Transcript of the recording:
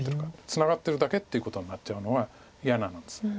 ツナがってるだけっていうことになっちゃうのは嫌なんです。